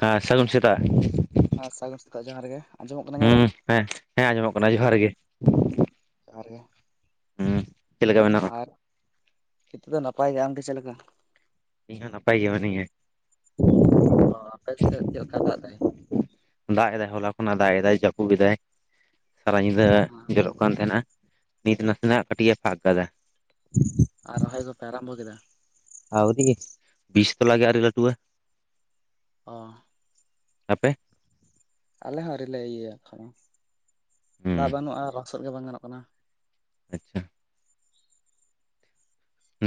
ᱦᱟᱸ ᱥᱟᱹᱜᱩᱱ ᱥᱮᱛᱟᱜ᱾ ᱦᱟᱸ ᱥᱟᱹᱜᱩᱱ ᱥᱮᱛᱟᱜ ᱡᱚᱦᱟᱨ ᱜᱮ ᱟᱸᱡᱚᱢᱚᱜ ᱠᱟᱱᱟ ᱤᱧᱟᱹᱜ ᱦᱩᱸ ᱨᱚᱲ? ᱦᱮᱸ᱾ ᱦᱮᱸ ᱟᱸᱡᱚᱢᱚᱜ ᱠᱟᱱᱟ ᱡᱚᱦᱟᱨ ᱜᱮ᱾ ᱡᱚᱦᱟᱨ ᱜᱮ᱾ ᱦᱩᱸ, ᱪᱮᱫ ᱞᱮᱠᱟ ᱢᱮᱱᱟᱜ [inaudible] [unintelligible] ᱱᱟᱯᱟᱭ ᱜᱮᱭᱟ ᱟᱢᱜᱮ ᱪᱮᱞᱮᱠᱟ? ᱤᱧ ᱦᱚᱸ ᱱᱟᱯᱟᱭ ᱜᱮ ᱢᱮᱱᱟᱧᱟ᱾ ᱚ ᱟᱯᱮ ᱥᱮᱫ ᱪᱮᱫ ᱞᱮᱠᱟ ᱫᱟᱜ ᱫᱟᱭ? ᱫᱟᱜ ᱮᱫᱟᱭ, ᱦᱚᱞᱟ ᱠᱷᱚᱱᱟᱜ ᱫᱟᱜ ᱮᱫᱟᱭ, ᱡᱟᱹᱯᱩᱜ ᱮᱫᱟᱭ, ᱥᱟᱨᱟ ᱧᱤᱫᱟᱹ ᱡᱚᱨᱚᱜ ᱠᱟᱱ ᱛᱟᱦᱮᱱᱟ᱾ ᱱᱤᱛ ᱱᱟᱥᱮᱱᱟᱜ ᱠᱟᱹᱴᱤᱡᱼᱮ ᱯᱷᱟᱫᱟ ᱮᱫᱟ᱾ ᱟᱨ ᱨᱚᱦᱚᱭ ᱠᱚᱯᱮ ᱟᱨᱟᱢᱵᱷᱚ ᱠᱮᱫᱟ? ᱟᱣᱨᱤ᱾ ᱵᱤᱡᱽ ᱛᱚᱞᱟ ᱜᱮ ᱟᱣᱨᱤ ᱞᱟᱹᱴᱩᱣᱟ᱾ ᱚ᱾ ᱟᱯᱮ ᱟᱞᱮ ᱦᱚᱸ ᱟᱹᱣᱨᱤ ᱞᱮ ᱤᱭᱟᱹᱭᱟ ᱮᱠᱦᱚ ᱦᱩᱸ ᱫᱟᱜ ᱵᱟᱹᱱᱩᱜᱼᱟ ᱞᱚᱥᱚᱫ ᱜᱮ ᱵᱟᱝ ᱜᱟᱱᱚᱜ ᱠᱟᱱᱟ᱾ [unintelligible]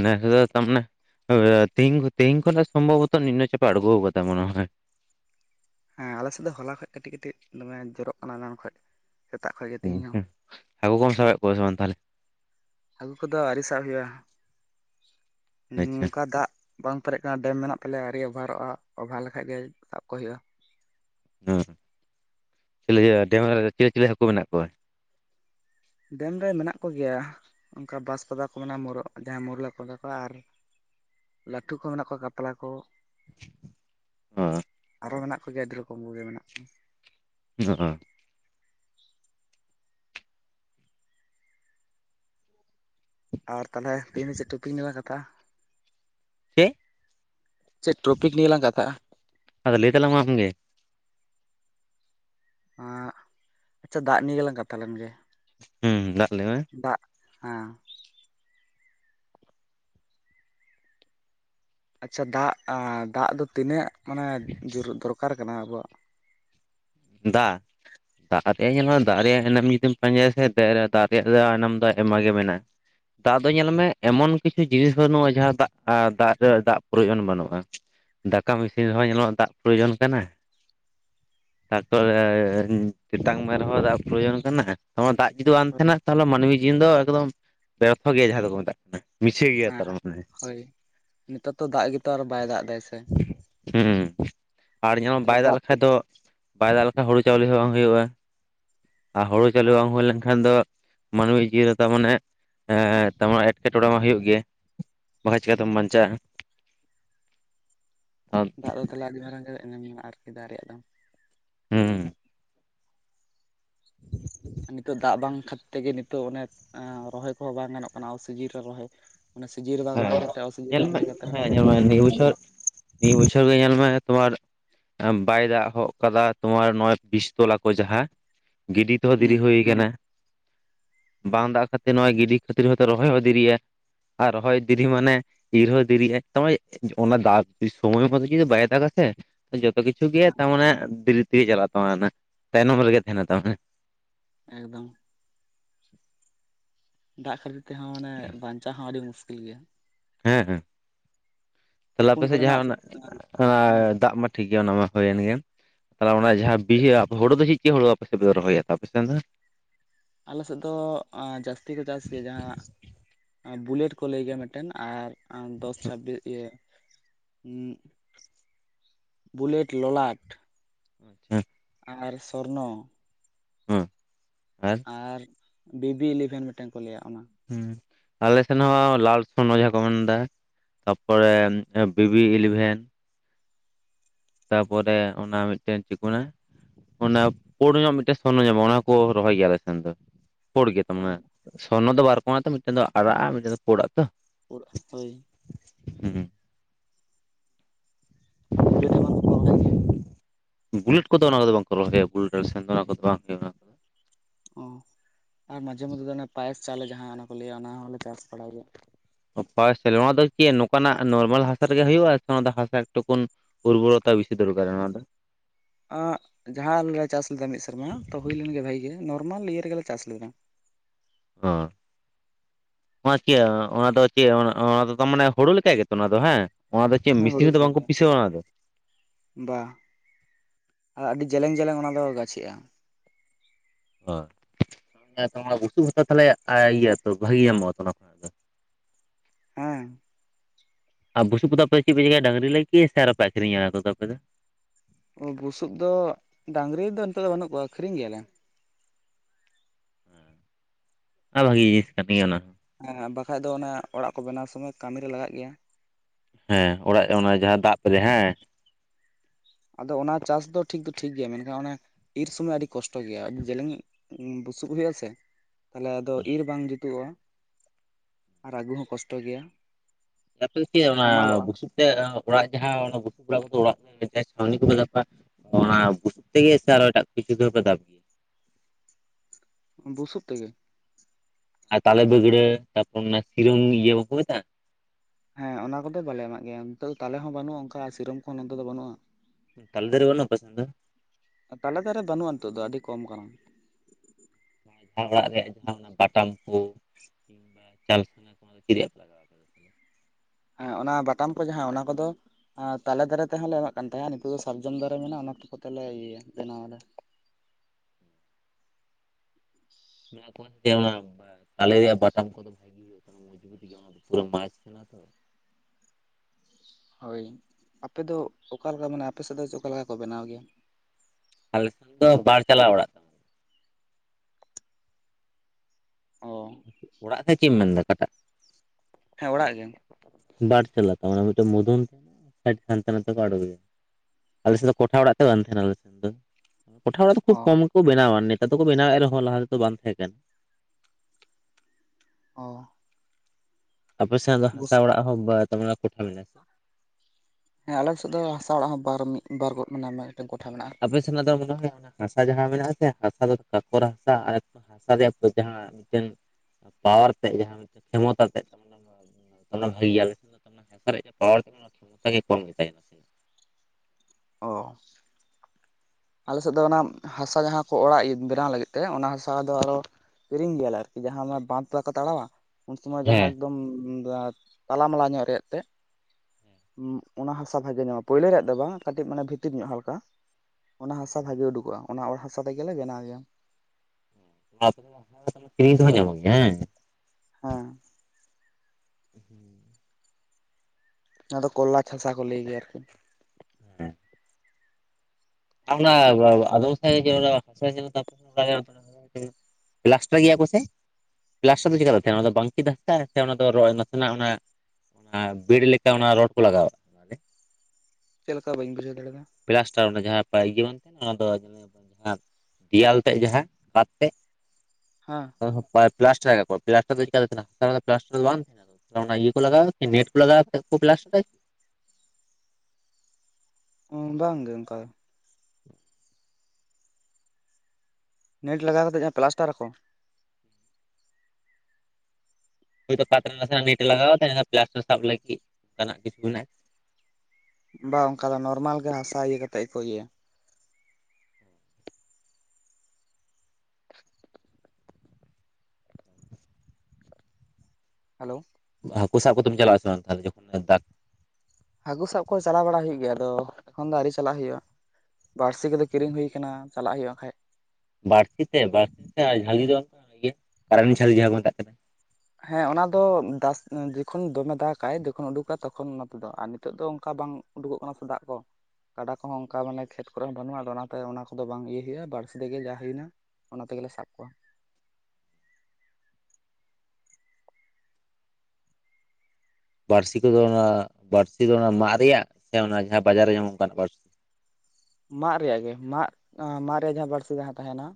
ᱱᱮᱥ ᱫᱚ ᱛᱟᱨᱢᱟᱱᱮ [unintelligible] ᱛᱮᱦᱤᱧ ᱠᱷᱚ ᱛᱮᱦᱤᱧ ᱠᱷᱚᱱᱟᱜ ᱥᱚᱢᱵᱷᱚᱵᱚᱛᱚ ᱱᱤᱱᱟᱹ ᱪᱟᱯᱟ ᱟᱬᱜᱚᱣᱟ ᱟᱠᱟᱫ ᱛᱟᱵᱚᱱᱟᱢ ᱦᱮᱸ᱾ ᱦᱮᱸ ᱟᱞᱮᱥᱮᱫ ᱫᱚ ᱦᱚᱞᱟ ᱠᱷᱚᱡ ᱠᱟᱹᱴᱤᱡ ᱠᱟᱹᱴᱤᱡ ᱫᱚᱢᱮ ᱡᱚᱨᱚᱜ ᱠᱟᱱᱟ ᱮᱱᱟᱱ ᱠᱷᱚᱡ᱾ ᱥᱮᱛᱟᱜ ᱠᱷᱚᱡ ᱜᱮ ᱛᱤᱦᱤᱧ ᱦᱚᱸ [unintelligible] ᱦᱟᱹᱠᱩ ᱠᱚᱢ ᱥᱟᱵ ᱠᱚᱣᱟ ᱥᱮ ᱵᱟᱝ ᱱᱮᱛᱟᱨ? ᱦᱟᱹᱠᱩ ᱠᱚᱫᱚ ᱟᱹᱨᱤ ᱥᱟᱵ ᱦᱩᱭᱩᱜᱼᱟ᱾ ᱟᱪᱪᱷᱟ ᱱᱚᱝᱠᱟ ᱫᱟᱜ ᱵᱟᱝ ᱯᱮᱨᱮᱡ ᱠᱟᱱ ᱰᱮᱢ ᱢᱮᱱᱟᱜ ᱛᱟᱞᱮᱭᱟ ᱟᱹᱣᱨᱤ ᱚᱵᱷᱟᱨᱚᱜᱼᱟ ᱚᱵᱷᱟᱨ ᱞᱮᱠᱷᱟᱡ ᱜᱮ ᱥᱟᱵ ᱠᱚ ᱦᱩᱭᱩᱜᱼᱟ᱾ [unintelligible] ᱪᱤᱞ ᱰᱮᱢᱨᱟ ᱨᱮ ᱪᱤᱞᱤ ᱪᱤᱞᱤ ᱦᱟᱹᱠᱩ ᱢᱮᱱᱟᱜ ᱠᱚᱣᱟ? ᱰᱮᱢ ᱨᱮ ᱢᱮᱱᱟᱜ ᱠᱚᱜᱮᱭᱟ᱾ ᱚᱱᱠᱟ ᱵᱟᱥᱯᱟᱫᱟ ᱯᱚᱦᱱᱟ ᱢᱚᱨᱚᱜ ᱰᱮᱢ ᱢᱩᱨᱞᱯᱟᱫᱟ ᱠᱚ ᱟᱨ ᱞᱟᱹᱴᱩ ᱠᱚ ᱢᱮᱱᱟᱜ ᱠᱚᱣᱟ ᱠᱟᱛᱞᱟ ᱠᱚ᱾ [unintelligible] ᱟᱨᱦᱚᱸ ᱢᱮᱱᱟᱜ ᱠᱚ ᱜᱮᱭᱟ ᱟᱹᱰᱤ ᱨᱚᱠᱚᱢ ᱠᱚᱜᱮ ᱢᱮᱱᱟᱜ ᱠᱚᱣᱟ᱾ [unintelligible] ᱟᱨ ᱛᱟᱦᱚᱞᱮ ᱛᱮᱦᱧ ᱫᱚ ᱪᱮᱫ ᱴᱚᱯᱤᱝ ᱨᱮᱱᱟᱜ ᱠᱟᱛᱷᱟᱜ-ᱟ? ᱪᱮᱫ ᱪᱮᱫ ᱴᱚᱯᱤᱠ ᱱᱤᱭᱟᱹᱞᱟᱝ ᱠᱟᱛᱷᱟᱜᱼᱟ? ᱟᱫᱚ ᱞᱟᱹᱭ ᱛᱟᱞᱟᱝ ᱢᱮ ᱟᱢ ᱜᱮ᱾ ᱟᱸᱻ ᱟᱪᱪᱷᱟ ᱫᱟᱜ ᱱᱤᱭᱟᱹ ᱞᱟᱝ ᱠᱟᱛᱷᱟ ᱞᱮᱱ ᱜᱮ, ᱦᱩᱸ ᱫᱟᱜ ᱞᱟᱹᱭ ᱢᱮ ᱫᱟᱜ᱾ ᱦᱟᱸ᱾ ᱟᱪᱪᱷᱟ ᱫᱟᱜ, ᱫᱟᱜ ᱫᱚ ᱛᱤᱱᱟᱹᱜ ᱢᱟᱱᱮ [unintelligible] ᱫᱚᱨᱠᱟᱨ ᱠᱟᱱᱟ ᱟᱵᱚᱣᱟᱜ? ᱫᱟᱜ᱾ ᱫᱟᱜ ᱨᱮᱭᱟᱜ ᱧᱮᱞ ᱢᱮ, ᱫᱟᱜ ᱨᱮᱭᱟᱜ ᱮᱱᱮᱢ ᱡᱩᱫᱤᱢ ᱯᱟᱸᱡᱟᱭᱟ ᱥᱮ ᱫᱟᱜ ᱨᱮᱭᱟᱜ ᱮᱱᱮᱢ ᱫᱚ ᱟᱭᱢᱟ ᱜᱮ ᱢᱮᱱᱟᱜᱼᱟ᱾ ᱫᱟᱜ ᱫᱚ ᱧᱮᱞ ᱢᱮ ᱮᱢᱚᱱ ᱠᱤᱪᱷᱩ ᱡᱤᱱᱤᱥ ᱵᱟᱹᱱᱩᱜᱼᱟ ᱡᱟᱦᱟᱸ ᱫᱟᱜ ᱟᱻ ᱫᱟᱜ ᱟᱹ ᱫᱟᱜ ᱯᱨᱟᱭᱚᱡᱟᱹᱱ ᱵᱟᱹᱱᱩᱜᱼᱟ᱾ ᱫᱟᱠᱟᱢ ᱮᱤᱥᱤᱱ ᱨᱮᱦᱚᱸ ᱧᱮᱞᱢᱮ ᱫᱟᱜ ᱯᱨᱳᱚᱭᱳᱡᱚᱱ ᱠᱟᱱᱟ᱾ ᱛᱟᱨᱯᱚᱨ ᱛᱮᱛᱟᱝ ᱢᱮ ᱨᱮᱦᱚᱸ ᱫᱟᱜ ᱯᱨᱚᱭᱳᱡᱚᱱ ᱠᱟᱱᱟ ᱱᱚᱣᱟ ᱫᱟᱜ ᱡᱩᱫᱤ ᱵᱟᱝ ᱦᱳᱭ ᱛᱟᱦᱮᱱᱟ ᱛᱟᱦᱚᱞᱮ ᱢᱟᱹᱱᱢᱤ ᱡᱤᱭᱚᱱ ᱫᱚ ᱮᱠᱫᱚᱢ ᱵᱮᱨᱛᱷᱚ ᱜᱮᱭᱟ ᱡᱟᱦᱟᱸ ᱫᱚᱠᱩ ᱢᱮᱛᱟᱜ ᱠᱟᱱᱟ ᱢᱤᱪᱟᱹ ᱜᱮᱭᱟ ᱦᱮᱸ ᱛᱟᱨ ᱢᱟᱱᱮ᱾ ᱦᱳᱭ ᱱᱮᱛᱟᱨ ᱛᱚ ᱫᱟᱜ ᱜᱮᱛᱚ ᱟᱨᱚ ᱵᱟᱭ ᱫᱟᱜ ᱮᱫᱟᱭ ᱥᱮ ᱦᱩᱸ ᱟᱨ [unintelligible] ᱵᱟᱭ ᱫᱟᱜ ᱞᱮᱠᱷᱟᱡ ᱫᱚ, ᱵᱟᱭ ᱫᱟᱜ ᱞᱮᱠᱷᱟᱱ ᱦᱩᱲᱩ ᱪᱟᱣᱞᱮ ᱦᱚᱸ ᱵᱟᱝ ᱦᱩᱭᱩᱜᱼᱟ᱾ ᱟᱨ ᱦᱩᱲᱩ ᱪᱟᱣᱞᱮ ᱦᱮᱸ ᱵᱟᱝ ᱦᱩᱭ ᱞᱮᱱ ᱟᱫᱚ ᱢᱟᱹᱱᱢᱤ ᱡᱤᱣᱤ ᱛᱟᱨ ᱢᱟᱱᱮ ᱮ ᱛᱟᱨ ᱢᱟᱱᱮ ᱮᱸᱴᱠᱮᱴᱚᱬᱮ ᱢᱟ ᱦᱩᱭᱩᱜ ᱜᱮ᱾ ᱵᱟᱠᱷᱟᱡ ᱪᱮᱠᱟᱛᱮᱢ ᱵᱟᱧᱪᱟ ᱟᱦᱟᱸᱜ? ᱫᱟᱜ ᱫᱚ ᱛᱟᱞᱦᱮ ᱟᱹᱰᱤ ᱢᱟᱨᱟᱝ ᱜᱮ ᱮᱱᱮᱢ ᱢᱮᱱᱟᱜᱼᱟ ᱟᱨᱠᱤ ᱫᱟᱜ ᱨᱮᱭᱟᱜ ᱫᱚ᱾ ᱦᱩᱸ᱾ [unintelligible] ᱱᱤᱛᱚᱜ ᱫᱟᱜ ᱵᱟᱝ ᱠᱷᱟᱹᱛ ᱛᱮᱜᱮ ᱱᱤᱛᱚᱜ ᱚᱱᱮ ᱨᱚᱦᱚᱭ ᱠᱚᱦᱚᱸ ᱵᱟᱝ ᱜᱟᱱᱚᱜ ᱠᱟᱱᱟ ᱚᱥᱤᱡᱤᱱ ᱨᱮ ᱨᱚᱦᱚᱭ᱾ ᱢᱟᱱᱮ ᱥᱤᱡᱤᱨ ᱵᱟᱝ ᱨᱚᱦᱚᱭ ᱠᱟᱛᱮ ᱚᱥᱤᱡᱤᱨ ᱧᱮᱞ ᱢᱮ ᱨᱚᱦᱚᱭ ᱠᱟᱛᱮ ᱨᱮᱦᱚᱸ ᱦᱮᱸ ᱧᱮᱞ ᱢᱮ ᱵᱷᱟᱜᱮ ᱵᱟᱝ ᱱᱤᱭᱟᱹ ᱜᱟᱱᱚᱜ᱾ ᱵᱚᱪᱷᱚᱨ ᱱᱤᱭᱟᱹ ᱵᱚᱪᱷᱚᱨ ᱜᱮ ᱧᱮᱞ ᱢᱮ ᱛᱳᱢᱟᱨ, ᱵᱟᱭ ᱫᱟᱜ ᱦᱚᱜ ᱠᱟᱫᱟ ᱛᱳᱢᱟᱨ ᱱᱚᱜᱼᱚᱭ ᱵᱤᱥᱛᱚᱞᱟ ᱠᱚ ᱡᱟᱦᱟᱸ ᱜᱤᱰᱤ ᱛᱮᱦᱚᱸ ᱦᱩᱸ ᱫᱮᱨᱤ ᱦᱩᱭ ᱟᱠᱟᱱᱟ ᱵᱟᱝ ᱫᱟᱜ ᱠᱷ ᱠᱟᱛᱮᱤᱨ ᱱᱚ ᱜᱤᱰᱤ ᱠᱷᱟᱹᱛᱤᱨ ᱦᱚᱸᱛᱚ ᱨᱚᱦᱚᱭ ᱦᱚ ᱫᱮᱨᱤᱭᱟ ᱟᱨ ᱨᱚᱦᱚᱭ ᱫᱤᱨᱤ ᱢᱟᱱᱮ ᱤᱨᱦᱚ ᱫᱤᱨᱤ ᱟ ᱛᱚ ᱚᱱ ᱚᱱᱟ ᱫᱟᱜ ᱥᱚᱢᱚᱭ ᱢᱚᱛ [unintelligible] ᱡᱫᱤ ᱵᱟᱭ ᱫᱟᱜᱟ ᱥᱮ ᱡᱚᱛᱚ ᱠᱤᱪᱷᱩ ᱜᱮ ᱛᱟᱨᱢᱟᱱᱮ ᱫᱤᱨᱤ ᱛᱮᱜᱮ ᱪᱟᱞᱟᱜ ᱛᱟᱢᱟ ᱱᱦᱟᱜ ᱛᱟᱭᱱᱚᱢ ᱨᱮᱜᱮ ᱛᱟᱦᱮᱱᱟ ᱛᱟᱢᱟ ᱱᱦᱟᱜ ᱮᱠᱫᱚᱢ ᱫᱟᱜ ᱠᱷᱟᱹᱛᱤᱨ ᱛᱮᱦᱚᱸ ᱢᱟᱱᱮ ᱵᱟᱧᱪᱟᱜ ᱦᱚᱸ ᱟᱹᱰᱤ ᱢᱩᱥᱠᱤᱞ ᱜᱮᱭᱟ᱾ ᱦᱮᱸ ᱦᱮᱸ ᱛᱟᱦᱞᱮ ᱛᱩᱯᱩᱱ ᱟᱯᱮᱥᱮᱫ ᱠᱚᱨᱮᱱᱟᱜ ᱡᱟᱦᱟᱸ ᱚᱱᱟ ᱦᱮᱸ [inaudible] ᱫᱟᱜ ᱢᱟ᱾ ᱴᱷᱤᱠ ᱜᱮᱭᱟ ᱚᱱᱟ ᱢᱟ ᱦᱩᱭᱮᱱ ᱜᱮ᱾ ᱛᱟᱦᱚᱞᱮ ᱚᱱᱟ ᱡᱟᱦᱟᱸ ᱵᱤᱦᱤ ᱟ ᱦᱩᱲᱩ ᱫᱚ ᱪᱮᱜ ᱪᱮᱜ ᱦᱩᱲᱩ ᱟᱯᱮ ᱥᱮᱫᱚ ᱨᱚᱦᱚᱭᱟ ᱛᱟ ᱟᱯᱮ ᱥᱮᱫ ᱫᱚ᱾ ᱟᱞᱮ ᱥᱮᱫ ᱫᱚ ᱡᱟᱹᱥᱛᱤ ᱠᱚ ᱪᱟᱥ ᱜᱮᱭᱟ ᱡᱟᱦᱟᱸ᱾ ᱵᱩᱞᱮᱴ ᱠᱚ ᱞᱟᱹᱭ ᱜᱮᱭᱟ ᱢᱤᱫᱴᱮᱱ ᱟᱨ ᱫᱚᱥ ᱪᱷᱟᱵᱵᱤᱥ ᱤᱭᱟᱹ ᱵᱩᱞᱮᱴ ᱞᱚᱞᱟᱴ ᱟᱪᱪᱷᱟ ᱟᱨ ᱥᱚᱨᱱᱚ ᱦᱮᱸ ᱟᱨ ᱵᱤᱵᱤ ᱤᱞᱮᱵᱷᱮᱱ ᱢᱤᱫᱴᱮᱱ ᱠᱚ ᱞᱟᱹᱭᱟ ᱚᱱᱟ ᱦᱮᱸ ᱟᱞᱮ ᱥᱮᱮᱫ ᱦᱚᱸ ᱞᱟᱞ ᱥᱩᱱᱱᱚ ᱡᱟᱦᱟᱸᱷᱟ ᱠᱚ ᱢᱮᱱᱫᱟ ᱛᱟᱯᱚᱨᱮ ᱵᱤᱵᱤ ᱤᱞᱤᱵᱷᱮᱱ ᱛᱟᱯᱚᱨᱮ ᱚᱱᱟ ᱢᱤᱫᱴᱮᱱ ᱪᱤᱠᱩᱱᱟ ᱚᱱᱟ ᱯᱳᱲ ᱧᱚᱜ ᱢᱤᱫᱴᱮᱱ ᱥᱚᱨᱱᱚ ᱧᱟᱢᱚᱜ ᱚᱱᱟ ᱠᱚ ᱨᱚᱦᱚᱭ ᱜᱮᱭᱟ ᱟᱞᱮ ᱥᱮᱱ ᱫᱚ ᱯᱩᱲ ᱜᱮ ᱛᱚ ᱢᱟᱱᱮ ᱥᱚᱨᱱᱚ ᱫᱚ ᱵᱟᱨ ᱨᱚᱠᱚᱢ ᱛᱚ ᱢᱤᱫᱴᱮᱱ ᱫᱚ ᱟᱲᱟᱜᱼᱟ ᱢᱤᱫᱴᱮᱱ ᱫᱚ ᱯᱩᱲᱟᱜ ᱛᱚ ᱚᱲ ᱦᱳᱭ ᱦᱮᱸ ᱟᱨ ᱵᱩᱞᱮᱴ ᱮᱢᱟᱱ ᱠᱚᱠᱚ ᱨᱚᱦᱚᱭ ᱜᱮᱭᱟ? ᱦᱩᱸ ᱵᱩᱞᱮᱴ ᱠᱚᱫᱚ ᱚᱱᱟ ᱠᱚᱫᱚ ᱵᱟᱝᱠᱚ ᱨᱚᱦᱚᱭᱟ ᱵᱩᱞᱮᱴ ᱥᱮᱱ ᱫᱚ ᱚᱱᱟ ᱠᱚᱫᱚ ᱵᱟᱝ ᱦᱩᱭᱩᱜ᱾ ᱚ ᱟᱨ ᱢᱟᱡᱷᱮ ᱢᱚᱫᱽᱫᱷᱮ ᱫᱚ ᱯᱟᱭᱮᱥ ᱪᱟᱣᱞᱮ ᱡᱟᱦᱟᱸ ᱚᱱᱟ ᱠᱚ ᱞᱟᱹᱭᱟ ᱚᱱᱟ ᱦᱚᱞᱮ ᱪᱟᱥ ᱵᱟᱲᱟᱭ ᱜᱮᱭᱟ᱾ [inaudible] ᱥᱮ ᱱᱚᱣᱟ ᱫᱚ ᱪᱮᱫ ᱱᱚᱝᱠᱟᱱᱟᱜ ᱱᱚᱨᱢᱟᱞ ᱦᱟᱥᱟ ᱨᱮᱜᱮ ᱦᱩᱭᱩᱜᱼᱟ ᱥᱮ ᱱᱚᱣᱟ ᱫᱚ ᱦᱟᱥᱟ ᱴᱩᱠᱩᱱ ᱩᱩᱨᱵᱚᱨᱚᱛᱟ ᱵᱮᱥᱤ ᱫᱚᱨᱠᱟᱨ ᱚᱱᱟ ᱫᱚ ᱟᱸ‌ ᱡᱟᱦᱟᱸ ᱟᱞᱮ ᱞᱮ ᱪᱟᱥ ᱞᱮᱫᱟ ᱢᱤᱫ ᱥᱮᱨᱢᱟ ᱛᱚ ᱦᱩᱭ ᱞᱮᱱᱜᱮ ᱵᱷᱟᱜ ᱜᱮ ᱱᱚᱨᱢᱟᱞ ᱤᱭᱟᱹ ᱨᱮᱜᱮᱞᱮ ᱪᱟᱥ ᱞᱮᱫᱟ ᱚ [unintelligible] ᱱᱚᱣᱟ ᱪ ᱚᱱᱟ ᱫᱚ ᱪᱮᱫ ᱚᱱᱟ ᱫᱚ ᱢᱟᱱᱮ ᱦᱩᱲᱩ ᱞᱮᱠ ᱜᱮᱛᱚ ᱚᱱᱟ ᱫᱚ ᱦᱮᱸ ᱚᱱᱟ ᱫᱚ ᱪᱮᱫ ᱦᱮᱸ ᱦᱩᱲ ᱢᱮᱥᱤᱱ ᱨᱮᱫᱚ ᱵᱟᱝᱠᱚ ᱞᱮᱠᱟᱜᱮ ᱯᱤᱥᱟᱹᱣᱟ ᱚᱱᱟ ᱫᱚ ᱵᱟ ᱟ ᱟᱹᱰᱤ ᱡᱮᱞᱮᱧ ᱡᱮᱞᱮᱝ ᱚᱱᱟ ᱫᱚ ᱜᱟᱪᱷᱤᱼᱟ᱾ ᱦ ᱵᱩᱥᱩᱵ ᱦᱟᱛᱟ ᱛᱟᱦᱚᱞᱮ ᱤᱭᱟᱹ ᱛᱚ ᱵᱷᱟᱜᱤ ᱧᱟᱢᱚᱜᱼᱟ ᱛᱚ ᱚᱱᱟ ᱠᱷᱚᱱᱟᱜ ᱫᱚ ᱦᱮᱸ ᱟᱨ ᱵᱩᱥᱩᱯᱟ ᱟᱯᱮ ᱪᱮᱫ ᱯᱮ ᱪᱤᱠᱟᱹᱭᱟ ᱰᱟᱝᱨᱤ ᱞᱟ. ᱜᱤᱫ ᱥᱮ ᱟᱨᱦᱚ ᱯᱮ ᱟᱹᱠᱷᱨᱤᱧᱟ ᱟᱯᱮ ᱫᱚ ᱚ ᱵᱩᱥᱩᱯ ᱫᱚ ᱰᱟᱝᱨᱤ ᱫᱚ ᱱᱤᱛᱚᱜ ᱫᱚ ᱵᱟᱹᱱᱩᱜ ᱠᱚᱣᱟ ᱟᱹᱠᱷᱨᱤᱤᱧ ᱜᱮᱭᱟᱞᱮ ᱟᱨ ᱵᱷᱟᱹᱜᱤ ᱡᱤᱱᱤᱥ ᱠᱟᱱ ᱜᱮᱭᱟ ᱚᱱᱟ ᱦᱮᱸ ᱵᱟᱠᱷᱟᱡ ᱫᱚ ᱚᱱᱟ ᱚᱲᱟᱜ ᱠᱚ ᱵᱮᱱᱟᱣ ᱥᱚᱢᱚᱭ ᱠᱟᱹᱢᱤᱨᱮ ᱞᱟᱜᱟᱜ ᱜᱮᱭᱟ ᱦᱮᱸ ᱚᱲᱟᱜ ᱚᱱᱟ ᱡᱟᱦᱟᱸ ᱫᱟᱯ ᱟᱫᱚ ᱚᱱᱟ ᱪᱟᱥ ᱫᱚ ᱴᱷᱤᱠ ᱫᱚ ᱴᱷᱤᱠ ᱜᱮᱭᱟ ᱢᱮᱱᱠᱷᱟᱱ ᱚᱱᱮ ᱤᱨ ᱥᱩᱚᱢᱚᱭ ᱟᱹᱰᱤ ᱠᱚᱥᱴᱚ ᱜᱮᱭᱟ ᱟᱹᱰᱤ ᱡᱮᱞᱮᱧ ᱵᱩᱥᱩᱵ ᱦᱩᱭᱩᱜ ᱟᱥᱮ ᱛᱟᱦᱞᱮ ᱟᱫᱚ ᱤᱨ ᱵᱟᱝ ᱡᱩᱛᱩᱜᱼᱟ ᱟᱨ ᱟᱹᱜᱩ ᱦᱚᱸ ᱠᱚᱥᱴᱚ ᱜᱮᱭᱟ᱾ [inaudible] ᱚᱱᱟ ᱦᱟᱢᱟᱞᱚᱜᱼᱟ ᱵᱩᱥᱩᱯ ᱚᱲᱟᱜ ᱡᱟᱦᱟᱸ ᱵᱩᱥᱩᱵ ᱠᱚᱲᱟ ᱠᱚᱫᱚ ᱚᱲᱟᱜ ᱨᱮ ᱢᱮ ᱪᱷᱟᱣᱱᱤ ᱠᱚ ᱵᱮᱛᱟ ᱠᱚᱣᱟ ᱚᱱᱟ ᱵᱩᱥᱩᱵ ᱛᱮ ᱜᱮ ᱥᱮ ᱟᱨᱚ ᱮᱴᱟᱜ ᱠᱤᱪᱩ ᱫᱤᱭᱮ ᱦᱚ ᱯᱮ ᱫᱟᱯ ᱜᱮᱭᱟ ᱵᱩᱥᱩᱵ ᱛᱮᱜᱮ ᱟᱨ ᱛᱟᱞᱮ ᱵᱟᱹᱜᱲᱟᱹ ᱛᱟᱯᱚᱨ ᱚᱱᱟ ᱥᱤᱨᱚᱢ ᱤᱭᱟᱹ ᱵᱟᱠᱚ ᱢᱮᱛᱟᱜ ᱦᱮᱸ ᱚᱱᱟ ᱠᱚᱫᱚ ᱵᱟᱞᱮ ᱮᱢᱟᱜ ᱜᱮᱭᱟ ᱱᱤᱛᱚᱜ ᱫᱚ ᱛᱟᱞᱮ ᱦᱚᱸ ᱵᱟᱹᱱᱩᱜᱼᱟ ᱚᱱᱠᱟ ᱥᱤᱨᱚᱢ ᱠᱚᱦᱚ ᱱᱚᱛᱮ ᱫᱚ ᱵᱟᱹᱱᱩᱜᱼᱟ ᱛᱟᱞᱮ ᱫᱟᱨᱮ ᱵᱟ. ᱱᱩᱜ ᱟ ᱟᱯᱮ ᱥᱮᱫ ᱫᱚ ᱛᱟᱞᱮ ᱫᱟᱨᱮ ᱵᱟᱹᱱᱩᱜᱼᱟ ᱱᱤᱛᱚᱜ ᱫᱚ ᱟᱹᱰᱤ ᱠᱚᱢ ᱠᱟᱱᱟ ᱡᱟᱦᱟᱸ ᱚᱲᱟᱜ ᱨᱮᱭᱟᱜ ᱡᱟᱦᱟᱸ ᱵᱟᱴᱟᱢ ᱠᱚ [unintelligible] ᱛᱟᱦᱚᱞᱮ? ᱦᱮᱸ ᱚᱱᱟ ᱵᱟᱴᱟᱢ ᱠᱚ ᱡᱟᱦᱟᱸ ᱚᱱᱟ ᱠᱚᱫᱚ ᱟ ᱛᱟᱞᱮ ᱫᱟᱨᱮ ᱛᱮᱦᱚᱸ ᱞᱮ ᱮᱢᱟᱜ ᱠᱟᱱ ᱛᱟᱦᱮᱸᱱᱟ ᱱᱤᱛᱚᱜ ᱫᱚ ᱥᱟᱨᱡᱚᱢ ᱫᱟᱨᱮ ᱢᱮᱱᱟᱜᱼᱟ ᱚᱱᱟ ᱠᱚ ᱠᱚᱛᱮ ᱞᱮ ᱤᱭᱟᱹᱭᱟ ᱵᱮᱱᱟᱣᱟ ᱟᱞᱮ [unintelligible] ᱢᱮᱱᱟᱜ ᱚᱱᱟ ᱛᱟᱞᱮ ᱨᱮᱭᱟᱜ ᱵᱟᱴᱟᱢ ᱠᱚᱫᱚ ᱵᱷᱟᱜᱮ ᱦᱩᱭᱩᱜ ᱠᱟᱱᱟ ᱢᱚᱡᱽᱵᱩᱛ ᱜᱮ ᱚᱱᱟ ᱯᱩᱨᱟᱹ ᱢᱟᱪ ᱠᱟᱱᱟ ᱛᱚ ᱦᱳᱭ ᱟᱯᱮ ᱫᱚ ᱚᱠᱟᱞᱠᱟ ᱢᱟᱱᱮ ᱟᱯᱮᱮᱥᱮᱫ ᱫᱚ ᱚᱠᱟᱞᱮ ᱞᱮᱠᱟ ᱠᱚ ᱵᱮᱱᱟᱣ ᱜᱮᱭᱟ ᱟᱞᱮ ᱥᱮᱫ ᱫᱚ ᱵᱟᱨ ᱪᱟᱞᱟ ᱚᱲᱟᱜ ᱛᱟᱢ ᱚ ᱚᱲᱟᱜ ᱥᱤ ᱪᱮᱫ ᱮᱢ ᱢᱮᱱᱫᱟ ᱚᱠᱟᱴᱟᱜ ᱦᱮᱸ ᱚᱲᱟᱜ ᱜᱮ ᱵᱟᱨ ᱪᱟᱞᱟ ᱛᱚ ᱢᱟᱱᱮ ᱢᱤᱫᱴᱮᱱ ᱢᱚᱫᱫᱷᱩᱱ ᱛᱮ ᱦᱟᱱᱛᱮ ᱱᱟᱛᱮ ᱠᱚ ᱟᱲᱜᱳᱭᱟ ᱟᱞᱮᱥᱮᱫ ᱫᱚ ᱠᱚᱴᱷᱟ ᱚᱲᱟᱜ ᱫᱚ ᱵᱟᱝ ᱛᱟᱦᱮᱱᱟ ᱟᱞᱮ ᱥᱮᱫ ᱫᱚ ᱠᱚᱴᱷᱟ ᱚᱲᱟᱜ ᱫᱚ ᱚ ᱠᱷᱩᱵ ᱠᱚᱢ ᱜᱮ ᱠᱚ ᱵᱮᱱᱟᱣᱟ ᱱᱮᱛᱟᱨ ᱫᱚᱠᱚ ᱵᱮᱱᱟᱣᱮᱫ ᱨᱮᱦᱚᱸ ᱞᱟᱦᱟ ᱛᱮᱫᱚ ᱵᱟᱝ ᱛᱟᱦᱮᱸ ᱠᱟᱱᱟ ᱚ ᱟᱯᱮ ᱥᱮᱱᱟᱜ ᱫᱚ ᱦᱟᱥᱟ ᱵᱩᱥᱩᱵ ᱚᱲᱟᱜ ᱦᱚᱸ ᱵᱟ ᱛᱟᱵᱮ ᱠᱚᱴᱷᱟ ᱢᱮᱱᱟᱜᱼᱟ ᱥᱮ ᱦᱮᱸ ᱟᱞᱮ ᱥᱮᱫ ᱫᱚ ᱦᱟᱥᱟ ᱚᱲᱟᱜ ᱦᱚᱸ ᱵᱟᱨ ᱢᱤᱫ ᱵᱟᱨ ᱜᱚ ᱢᱮᱱᱟᱜᱼᱟ ᱟᱭᱢᱟ ᱜᱚᱴᱟᱝ ᱠᱚᱴᱷᱟ ᱢᱮᱱᱟᱜᱼᱟ ᱟᱯᱮ ᱥᱮᱱᱟᱜ ᱫᱚ ᱢᱚᱱᱮ ᱦᱚᱭ ᱚᱱᱟ ᱦᱟᱥᱟ ᱡᱟᱦᱟᱸ ᱢᱮᱱᱟᱜᱼᱟ ᱟᱥᱮ ᱦᱟᱥᱟ ᱫᱚ ᱠᱟᱠᱚᱨ ᱦᱟᱥᱟ ᱟᱨ ᱦᱟᱥᱟ ᱨᱮᱭᱟᱜ ᱡᱟᱦᱟᱸ ᱢᱤᱫᱴᱮᱱ ᱯᱟᱣᱟᱨ ᱛᱮᱫ ᱡᱟᱦᱟᱸ ᱢᱤᱫᱴᱮᱱ ᱠᱷᱚᱢᱚᱛᱟ ᱛᱮᱫ ᱚᱱᱟ ᱵᱷᱟᱜᱮ ᱜᱮᱭᱟ ᱞᱮᱠᱷᱟᱱ ᱫᱚ ᱚᱱᱟ ᱦᱟᱥᱟ ᱨᱮᱭᱟᱜ ᱯᱟᱣᱟᱨ ᱠᱟᱱᱟ ᱚᱱᱟ ᱠᱷᱚᱢᱚᱛᱟ ᱜᱮ ᱠᱚᱢ ᱜᱮ ᱛᱟᱭᱟ ᱚ ᱟᱞᱮ ᱥᱮᱫ ᱫᱚ ᱚᱱᱟ ᱦᱟᱥᱟ ᱡᱟᱦᱟᱸ ᱠᱚ ᱚᱲᱟᱜ ᱵᱮᱱᱟᱣ ᱞᱟᱹᱜᱤᱫ ᱛᱮ ᱚᱱᱟ ᱦᱟᱥᱟ ᱫᱚ ᱟᱨᱦᱚ ᱠᱤᱨᱤᱧ ᱜᱮᱭᱟᱞᱮ ᱟᱨᱠᱤ ᱡᱟᱦᱟᱸ ᱵᱟᱸᱫᱷ ᱵᱟᱠᱟ ᱛᱟᱲᱣᱟ ᱩᱱ ᱥᱚᱢᱚᱭ ᱡᱟᱦᱟᱸ ᱦᱮᱸ ᱮᱠᱫᱚᱢ ᱛᱟᱞᱟ ᱢᱟᱞᱟ ᱧᱚᱜ ᱨᱮᱭᱟᱜ ᱛᱮᱫ ᱚᱱᱟ ᱦᱟᱥᱟ ᱵᱷᱟᱜᱮ ᱧᱚᱜᱟ ᱯᱳᱭᱞᱳ ᱨᱮᱭᱟᱜ ᱫᱚ ᱵᱟᱝ ᱠᱟᱹᱴᱤᱡ ᱢᱟᱱᱮ ᱵᱷᱤᱛᱤᱨ ᱧᱚᱜ ᱦᱟᱞᱠᱟ ᱚᱱᱟ ᱦᱟᱥᱟ ᱵᱷᱟᱜᱤ ᱩᱰᱩᱠᱚᱜᱼᱟ ᱚᱱᱟ ᱦᱟᱥᱟ ᱛᱮᱜᱮᱞᱮ ᱵᱮᱱᱟᱣ ᱜᱮᱭᱟ ᱛᱮ ᱯᱷᱤᱨᱤ ᱛᱮᱦᱚ ᱧᱟᱢᱚᱜ ᱜᱮᱭᱟ ᱦᱮᱸ ᱦᱮᱸ ᱚᱱᱟ ᱫᱚ ᱠᱚᱞᱟᱪ ᱪᱟᱥᱟ ᱠᱚ ᱞᱟᱹᱭ ᱜᱮᱭᱟ ᱟᱨᱠᱤ ᱦᱮᱸ [unintelligible] ᱯᱮᱞᱟᱥᱴᱟᱨ ᱜᱮᱭᱟ ᱠᱚᱥᱮ ᱯᱞᱟᱥᱴᱟᱨ ᱫᱚ ᱪᱮᱠᱟ ᱫᱚ ᱛᱟᱦᱮᱸᱱᱟ ᱚᱱᱟ ᱫᱚ ᱵᱟᱝᱠᱤ ᱫᱷᱟᱥᱼᱟ ᱥᱮ ᱚᱱᱟ ᱫᱚ ᱨᱚ ᱱᱟᱥᱮᱱᱟᱜ ᱚᱱᱟ ᱮ ᱵᱮᱲ ᱞᱮᱠᱟ ᱚᱱᱟ ᱨᱳᱰ ᱠᱚ ᱞᱟᱜᱟᱣᱟ ᱪᱮᱫ ᱞᱮᱠᱟ ᱵᱟᱹᱧ ᱵᱩᱡᱷᱟᱹᱣ ᱫᱟᱲᱮᱣᱟᱫᱟ ᱯᱞᱟᱥᱴᱟᱨ ᱚᱰᱮ ᱡᱟᱦᱟᱸ ᱤᱭᱟᱹ ᱵᱟᱝ ᱛᱟᱦᱮᱱᱟ ᱚᱱᱟ ᱫᱚ ᱡᱮ ᱟᱨ ᱫᱮᱭᱟᱞ ᱛᱮᱫ ᱡᱟᱦᱟᱸ ᱠᱟᱛ ᱛᱮᱫ ᱦᱮᱸ ᱯᱞᱟᱥᱴᱟᱨ ᱯᱞᱟᱥᱟᱨ ᱫᱚ ᱯᱤᱠᱟᱛᱮᱛ ᱛᱟᱦᱮᱱ ᱯᱟᱥᱴᱟᱨᱮ ᱫᱚ ᱵᱟᱝ ᱛᱟᱸᱦᱮᱱᱟ ᱚᱱᱟ ᱤᱭᱟᱹ ᱠᱚ ᱞᱟᱜᱣᱟᱤ ᱱᱮᱴ ᱠᱚ ᱞᱟᱜᱟᱣ ᱠᱷ ᱞᱟᱜ [unintelligible] ᱚ ᱵᱟᱝ ᱜᱮ ᱚᱱᱠᱟ ᱱᱮᱴ ᱞᱟᱜᱟᱣ ᱠᱟᱛᱮᱫ ᱯᱞᱟᱥᱴᱟᱨ ᱟᱠᱚ ᱦᱳᱭᱛ ᱯᱟᱛᱲᱟᱥᱮ ᱱᱤᱴ ᱞᱟᱜᱟᱣ ᱛᱟᱦᱮᱸ ᱯᱞᱟᱥᱴᱟᱨ ᱥᱟᱵ ᱞᱟᱹᱜᱤᱫ ᱚᱱᱠᱟᱱᱟᱜ ᱠᱤᱪᱷᱩ ᱢᱮᱱᱟᱜᱼᱟ ᱵᱟ ᱚᱱᱠᱟ ᱫᱚ ᱱᱚᱨᱢᱟᱞ ᱜᱮ ᱦᱟᱥᱟ ᱤᱭᱟᱹ ᱠᱟ ᱠᱟᱛᱮᱜ ᱜᱮ ᱠᱚ ᱤᱭᱟᱹᱤᱭᱟ ᱦᱮᱞᱳ ᱦᱟᱹᱠᱩ ᱥᱟᱵ ᱠᱚᱛᱮᱚᱢ ᱪᱟᱞᱟᱜ ᱟᱥᱮ ᱵᱟᱝ ᱡᱚᱠᱷᱚᱱ ᱫᱟᱜᱽ ᱦᱟᱠᱩ ᱥᱟᱵ ᱠᱚ ᱪᱟᱞᱟᱣ ᱵᱟᱲᱟ ᱦᱩᱭᱩᱜ ᱜᱮᱭᱟ ᱟᱫᱚ ᱮᱠᱷᱚᱱ ᱫᱚ ᱟᱹᱣᱨᱤ ᱪᱟᱞᱟᱜ ᱦᱩᱭᱩᱜᱭᱼᱟ ᱵᱟᱺᱲᱥᱤ ᱠᱚᱫᱚ ᱠᱤᱨᱤᱸᱜ ᱦᱩᱭ ᱟ. ᱠᱟᱱᱟ ᱪᱟᱞᱟᱹ ᱦᱩᱭᱩᱜᱼᱟ ᱟᱠᱷᱟᱭ ᱵᱟᱹᱲᱥᱤ ᱛᱮ ᱵᱟᱹᱲᱛᱤ ᱛᱮ ᱡᱷᱟᱹᱞᱤ ᱫᱚ ᱚᱱᱠᱟ ᱠᱟᱨᱮᱱ ᱡᱷᱟᱹᱞᱤ ᱡᱟᱦᱟᱸ ᱠᱚ ᱢᱮᱛᱟᱜ ᱠᱟᱱᱟ ᱦᱮᱸ ᱚᱱᱟ ᱫᱚ ᱡᱚᱠᱷᱚᱱ ᱫᱚᱢᱮ ᱫᱟᱜᱟᱭ ᱡᱚᱠᱷᱚᱱ ᱩᱰᱩᱠᱟ ᱛᱚᱠᱷᱚᱱ ᱚᱱᱟ ᱛᱮᱫᱚ ᱟᱨ ᱱᱤᱛᱚᱜ ᱫᱚ ᱚᱱᱠᱟ ᱵᱟᱝ ᱩᱰᱩᱠᱚᱜ ᱠᱟᱱᱟ ᱥᱮ ᱫᱟᱜ ᱠᱚ᱾ ᱜᱟᱰᱟ ᱠᱚᱦᱚᱸ ᱚᱱᱠᱟ ᱢᱟᱱᱮ ᱠᱷᱮᱛ ᱠᱚᱨᱮ ᱦᱚᱸ ᱵᱟᱹᱱᱩᱜᱼᱟ ᱚᱱᱟᱛᱮ ᱚᱱᱟ ᱠᱚᱫᱚ ᱵᱟᱝ ᱤᱭᱟᱹᱦᱳᱭᱼᱟ ᱵᱟᱨᱥᱤ ᱛᱮᱜᱮ ᱡᱟ ᱦᱩᱭᱮᱱᱟ᱾ ᱚᱱᱟᱹ ᱛᱤᱜᱤᱞᱮ ᱥᱟᱶ ᱠᱚᱣᱟ ᱵᱟᱹᱲᱥᱤ ᱠᱚᱫᱚ ᱚᱱᱟ ᱵᱟᱹᱲᱥᱤ ᱫᱚ ᱚᱱᱟ ᱢᱟᱹ ᱨᱮᱭᱟᱹ ᱥᱮ ᱚᱱᱟ ᱡᱟᱦᱟᱸ ᱵᱟᱡᱟᱨ ᱨᱮ ᱧᱟᱢᱚᱜ ᱚᱱᱠᱟ ᱱᱟᱜ ᱟᱹᱲᱥ ᱢᱟᱹ ᱨᱮᱭᱟᱜ ᱜᱮ ᱢᱟᱹ ᱡᱟᱸᱦᱟ ᱵᱟᱲᱸᱥᱤ ᱛᱟᱦᱮᱱᱟ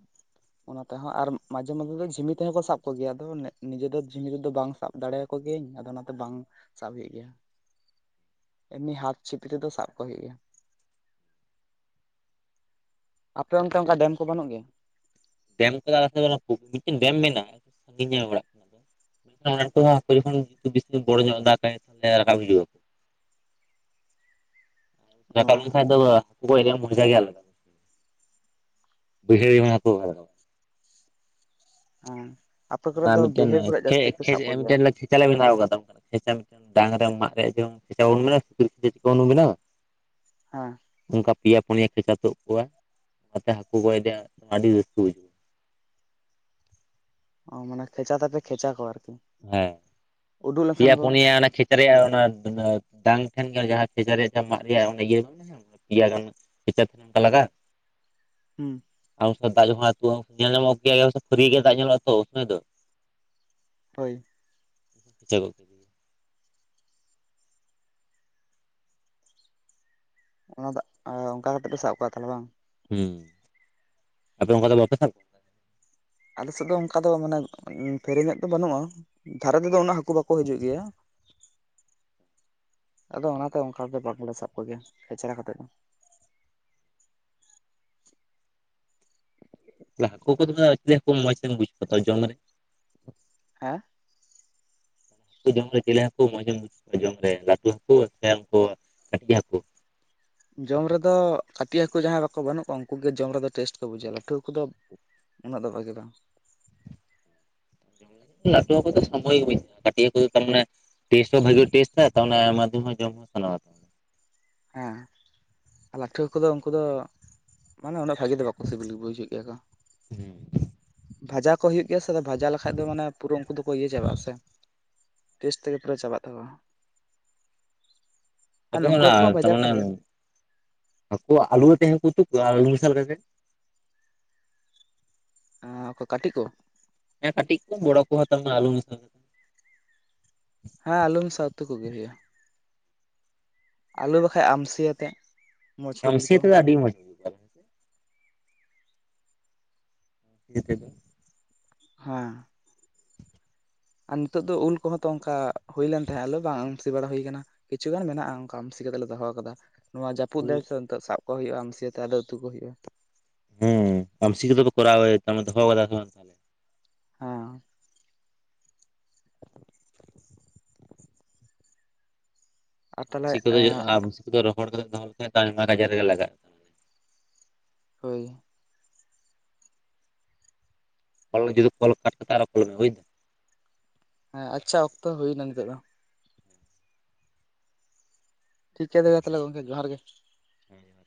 ᱚᱱᱟ ᱛᱮᱸᱦᱚᱸ ᱟᱨ ᱢᱟᱡᱷᱮ ᱢᱟᱡᱷᱮ ᱫᱚ ᱡᱷᱤᱢᱤ ᱛᱮᱸᱦᱚᱸ ᱠᱚ ᱥᱟᱵ ᱠᱚᱜᱮᱭᱟ ᱟᱫᱚ ᱱᱤᱡᱮ ᱫᱚ ᱡᱷᱤᱢᱢᱤ ᱛᱮᱫᱚ ᱵᱟᱝ ᱥᱟᱵ ᱫᱟᱲᱮᱭᱟᱠᱚ ᱜᱤᱭᱟᱹᱧ ᱟᱫᱚ ᱚᱱᱟᱛᱮ ᱵᱟᱝ ᱥᱟᱵ ᱦᱩᱭᱩᱜ ᱜᱮᱭᱟ ᱮᱢᱱᱤ ᱦᱟᱛ ᱪᱷᱤᱯᱤ ᱨᱮᱫᱚ ᱥᱟᱵ ᱠᱚ ᱦᱩᱭᱩᱜ ᱜᱮᱭᱟ ᱟᱯᱮ ᱚᱱᱛᱮ ᱚᱱᱠᱟ ᱰᱮᱢ ᱠᱚ ᱵᱟᱹᱱᱩᱜ ᱜᱤᱭᱟ ᱰᱮᱢ ᱠᱚ ᱢᱤᱫᱴᱮᱱ ᱰᱮᱢ ᱢᱮᱱᱟᱜᱼᱟ ᱥᱟᱧᱮ ᱚᱲᱟᱜ ᱠᱷᱚᱱᱟᱜ ᱫᱚ ᱢᱮᱱᱠᱷᱟᱱ ᱚᱱᱟᱚ ᱡᱚᱠᱷᱚᱱ ᱡᱛᱩ ᱵᱤᱥᱤ ᱵᱚᱲᱚ ᱧᱚᱜ ᱫᱟᱜᱟᱭ ᱨᱟᱠᱟᱵ ᱦᱤᱡᱩᱜᱼᱟᱚ [unintelligible] ᱚ ᱨᱟᱠᱟᱵ ᱞᱮᱸᱠᱷᱟ ᱫᱚᱵᱟ ᱜᱚᱡᱟ ᱨᱮᱭ ᱢᱟᱡᱟᱹᱜᱤ ᱟᱞᱟᱫᱟ ᱢᱮᱱᱟᱜ ᱟ ᱵᱩᱡᱷᱟᱣ ᱠᱚ ᱦᱮᱸ ᱟᱯᱮ ᱠᱚᱨᱮ ᱚᱱᱟ ᱫᱚ ᱵᱟᱹᱭᱦᱟᱹᱲ ᱠᱚᱨᱮ ᱡᱟᱹᱥᱛᱤ ᱯᱮ ᱥᱟᱵ ᱠᱚᱜᱮᱭᱟ ᱪ ᱞᱮ ᱵᱮᱱᱟᱣ ᱟᱠᱟᱫᱟᱟᱢ ᱰᱟᱝ ᱨᱮᱟᱜ ᱨᱮᱭᱟᱜᱟ ᱵᱱᱟ ᱥᱩᱠᱨᱤ ᱪᱤᱠ ᱵᱚᱱ ᱵᱮᱱᱟᱣᱟ᱾ [inaudible] ᱦᱮᱸ [unintelligible] ᱚᱱᱠᱟ ᱯᱮᱭᱟ ᱯᱩᱱᱭᱟ ᱠᱷᱮᱪᱟ ᱛᱜ ᱠᱚᱣᱟ ᱚᱱᱟᱛᱮ ᱦᱟᱹᱠᱩ ᱜᱚᱡ ᱮ ᱟᱹᱰᱤ ᱨᱟᱹᱥᱠᱟᱹ ᱵᱩᱡᱷᱟᱹᱣᱟ [unintelligible] ᱚ ᱢᱟᱱᱮ ᱠᱷᱮᱪᱟ ᱛᱮᱯᱮ ᱠᱷᱮᱪᱟ ᱠᱚᱣᱟ ᱟᱨᱠᱤ᱾ ᱦᱮᱸ ᱩᱰᱩᱠ ᱞᱮᱱᱠᱷᱟᱱ ᱯᱮᱭᱟ ᱠᱚ ᱯᱩᱱᱤᱭᱟ ᱚᱱᱟ ᱠᱷ [unintelligible] ᱯᱷᱮᱪᱟᱨ ᱨᱮᱭᱟᱜ ᱚᱱᱟ ᱰᱟᱝ ᱴᱷᱮᱱ ᱜᱮ ᱡᱟᱦᱟᱸ ᱯᱷᱪᱟᱨ ᱨᱮᱭᱟᱜ ᱡ ᱢᱟᱜ ᱨᱮᱭᱟᱜ ᱚᱱᱟ ᱤᱭᱟᱹ᱾ [unintelligible] ᱯᱮᱭᱟ ᱜᱟᱱ ᱠᱪᱟᱨᱮᱱ ᱚᱱᱠᱟ ᱞᱟᱜᱟᱜᱼᱟ [inaudible] ᱦᱩᱸ᱾ ᱟ ᱫᱟᱜ ᱡ ᱧᱮᱞ ᱧᱟᱢᱚᱜ ᱜᱮᱭᱟ ᱯᱷᱟᱹᱨᱤ ᱜᱮ ᱫᱟᱜ ᱧᱮᱞᱚᱜᱼᱟ ᱛᱚ ᱚᱥᱚᱭ ᱫᱚ [inaudible] ᱦᱳᱭ᱾ ᱦᱤᱥᱟᱹᱟᱹᱜᱚᱜ ᱠᱮᱫᱟ [unintelligible] ᱚᱱᱟ ᱫᱚ ᱚᱱᱠᱟ ᱠᱟᱛᱮ ᱯᱮ ᱥᱟᱵ ᱠᱟᱣᱟ ᱛᱟᱦᱮᱱᱟ ᱵᱟᱝ᱾ ᱦᱸ ᱟᱯᱮ ᱚᱱᱠᱟ ᱫᱚ ᱵᱟᱯᱮ ᱥᱟᱵ ᱠᱚᱣᱟ [unintelligible] ᱟᱞᱮ ᱥᱮᱫ ᱫᱚ ᱚᱱᱠᱟ ᱫᱚ ᱢᱟᱱᱮ ᱯᱷᱮᱨᱤᱧᱚᱜ ᱱᱚ ᱫᱚ ᱵᱟᱹᱱᱩᱜᱼᱟ ᱫᱷᱟᱨᱮ ᱛᱮᱫᱚ ᱩᱱᱟᱹᱜ ᱦᱟᱹᱠᱩ ᱵᱟᱠᱚ ᱦᱤᱡᱩᱜ ᱜᱤᱭᱟ᱾ ᱟᱫᱚ ᱚᱱᱟᱛᱮ ᱚᱱᱠᱟ ᱫᱚ ᱵᱟᱞᱮ [unintelligible] ᱥᱟᱵ ᱠᱚᱜᱮᱭᱟ ᱠᱷᱮᱪᱮᱨᱟ ᱠᱟᱛᱮ ᱫᱚ᱾ ᱦᱟᱹᱠᱩ ᱠᱚ ᱦᱠᱩ ᱢᱚᱸᱡᱽ ᱛᱮᱧ ᱵᱩᱡ ᱠᱚᱣᱟ ᱡᱚᱢ ᱨᱮ [inaudible] ᱦᱮᱸ᱾ ᱦᱟᱠᱩ ᱡᱚᱢ ᱨᱮ ᱪᱮᱞᱮ ᱦᱟᱹᱠᱩ ᱢᱚᱸᱡᱢ ᱵᱩᱡᱟᱹᱣᱟ ᱡᱚᱢ ᱨᱮ ᱞᱟᱹᱴᱩ ᱦᱟᱹᱠᱩ ᱥᱮ ᱩᱱᱠᱩ ᱠᱟᱹᱴᱤᱡ ᱦᱟᱹᱠᱩ᱾ ᱡᱚᱢ ᱨᱮᱫᱚ ᱠᱟᱹᱴᱤᱡ ᱦᱟᱹᱠᱩ ᱡᱟᱦᱟᱸᱭ ᱵᱟᱠᱚ ᱵᱟᱹᱱᱩᱜ ᱠᱚᱣᱟ ᱩᱱᱠᱩ ᱜᱮ ᱡᱚᱢ ᱨᱮᱫᱚ ᱴᱮᱥᱴ ᱠᱚ ᱵᱩᱡᱷᱣᱟ ᱞᱟᱹᱴᱩ ᱦᱟᱹᱠᱩ ᱫᱚ᱾ ᱩᱱᱟᱹᱜ ᱫᱚ ᱵᱷᱟᱜᱤ ᱵᱟᱝ᱾ ᱞᱴᱩ ᱠᱚ ᱥᱚᱢᱚᱭ ᱜᱮᱼᱟᱴ ᱠᱚ ᱛᱟᱨᱟᱱᱮ᱾ [unintelligible] ᱴᱮᱥᱴ ᱦᱚᱸ ᱵᱷᱟᱜᱤ ᱴᱮᱥᱴ ᱛ ᱟᱭᱢᱟᱫᱷᱚᱢ ᱦᱚᱸ ᱡᱚᱢ ᱦᱚᱸ ᱥᱟᱱᱟ᱾ ᱦᱮᱸ ᱞᱟᱹᱴᱷᱣᱟᱹ ᱠᱚᱫᱚ ᱩᱱᱠᱩ ᱫᱚ ᱢᱟᱱᱮ᱾ ᱵᱷᱟᱜᱤ ᱫᱚ ᱵᱟᱠᱚ ᱥᱤᱵᱤᱞ ᱵᱩᱡᱟᱹ ᱜᱮᱭᱟ ᱠᱚ ᱦᱩᱸ ᱵᱷᱟᱡᱟ ᱠᱚ ᱦᱩᱭᱩᱜᱭ ᱜᱮᱭᱟ ᱥᱮ ᱟᱫ ᱵᱦᱟᱡᱟ ᱞᱮᱠᱷᱟᱡ ᱫᱚ ᱢᱟᱱᱮ ᱯᱩᱨᱟᱹ ᱩᱱᱠᱩ ᱫᱚᱠᱚ ᱤᱭᱟᱹ ᱪᱟᱵᱟᱜᱼᱟ ᱥᱮ᱾ ᱴᱮᱥ ᱛᱮᱜᱮ ᱯᱩᱨᱟᱹ ᱪᱟᱵᱟᱜ ᱛᱟᱠᱚᱣᱟ᱾ ᱟᱨ ᱛᱯᱮ ᱱᱩᱠᱩ ᱦᱟᱹᱠᱩ ᱦᱚᱸ ᱵᱷᱟᱡᱟ ᱠᱚ ᱛᱟᱨᱢᱟᱱᱮ ᱦᱟᱹᱠᱩ ᱟᱞᱩ ᱨᱮ ᱛᱟᱦᱮᱸᱠᱩ ᱛ ᱟᱞᱩ ᱢᱮᱥᱟᱞ ᱠᱟ ᱠᱟᱛᱮ [unintelligible] ᱮᱸ ᱩᱱᱠᱚ ᱠᱟᱹᱴᱤᱡ ᱠᱚ᱾ ᱦᱮᱸ ᱠᱟᱹᱴᱤᱡ ᱠᱚ ᱵᱚᱲᱚ ᱠᱚ ᱦᱟᱛᱟᱣᱟ ᱟᱞᱩ ᱢᱮᱥᱟ᱾ ᱦᱮᱸ ᱟᱞᱩ ᱢᱮᱥᱟ ᱩᱛᱩ ᱠᱚᱜᱮ ᱦᱩᱭᱩᱜᱼᱟ ᱟᱞᱩ ᱵᱟᱝᱠᱦᱟᱡ ᱟᱢᱥᱤᱭᱟᱛᱮ ᱟᱢᱥᱤ ᱛᱮᱫᱚ ᱟᱹᱰᱤ ᱢᱚᱡ᱾ ᱚ [unintelligible] ᱦᱮᱸ ᱟᱨ ᱱᱤᱛᱚᱜ ᱫᱚ ᱩᱞ ᱠᱚᱦᱚᱸ ᱛᱚ ᱚᱱᱠᱟ ᱦᱩᱭ ᱞᱮᱱ ᱛᱟᱦᱮᱸᱜ ᱟᱞᱮ ᱵᱟᱝ ᱟᱹᱢᱥᱤ ᱵᱟᱲᱟ ᱦᱩᱭᱟᱠᱟᱱᱟ᱾ ᱠᱤᱪᱷᱩ ᱜᱟᱱ ᱢᱮᱱᱟᱜᱼᱟ ᱚᱱᱠᱟ ᱟᱢᱥᱤ ᱠᱟᱛᱮ ᱞᱮ ᱫᱚᱦᱚ ᱟᱠᱟᱫᱟ᱾ ᱱᱚᱣᱟ ᱡᱟᱹᱯᱩᱫ ᱫᱟᱭ ᱛᱮ ᱱᱤᱛᱚᱜ ᱥᱟᱵ ᱠᱚ ᱦᱩᱭᱩᱜᱼᱟ ᱟᱢᱥᱤᱭᱟᱹᱛᱮ ᱟᱫᱚ ᱩᱛᱩ ᱠᱚ ᱦᱩᱭᱩᱜᱼᱟ᱾ ᱦᱩᱸ ᱟᱢᱥᱤ ᱠᱚᱫᱚ ᱯᱮ ᱠᱚᱨᱟᱣ ᱮᱫ ᱫᱚᱦᱚ ᱠᱟᱫᱟ ᱠᱚ [inaudible] ᱦᱮᱸ᱾ ᱟᱨ ᱛᱟᱦᱚᱞᱮ ᱟᱢᱥᱤ ᱠᱚᱫᱚ ᱟᱢᱥᱤ ᱠᱚᱫᱚ ᱨᱚᱦᱚᱲ ᱠᱟᱛᱮ ᱫᱚᱦ ᱞᱮᱡ ᱟᱭᱢᱟ ᱜᱟᱡᱟᱨ ᱨᱮᱜᱮ ᱞᱟᱜᱟᱜ᱾ [unintelligible] ᱦᱳᱭ᱾ ᱡᱩᱫᱤ ᱠᱚᱞ ᱠᱟᱴ ᱠᱟᱛᱮ ᱟᱨᱚ ᱠᱚᱞᱢᱮ ᱵᱩᱡ ᱫᱟᱢ᱾ [inaudible] ᱦᱮᱸ ᱟᱪᱪᱷᱟ ᱚᱠᱛᱚ ᱦᱩᱭ ᱮᱱᱟ ᱱᱤᱛᱚᱜ ᱫᱚ᱾ ᱴᱷᱤᱠ ᱜᱮᱭᱟ ᱫᱟᱫᱟ ᱛᱟᱦᱚᱞᱮ ᱜᱚᱝᱠᱮ ᱡᱚᱦᱟᱨ ᱜᱮ᱾ ᱦᱮ [inaudible]